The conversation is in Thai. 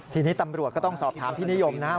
ทีนี้ตำรวจก็ต้องสอบถามพี่นิยมนะครับ